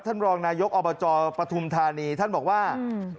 ท่านบรองนายกออปธุมธานีท่านบอกว่า